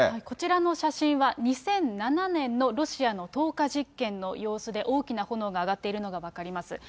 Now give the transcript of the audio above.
こちらの写真は、２００７年のロシアの投下実験の様子で、大きな炎が上がっているのが分かります。